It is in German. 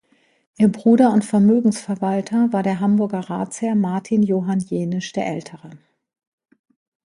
Ihr Bruder und Vermögensverwalter war der Hamburger Ratsherr Martin Johann Jenisch der Ältere.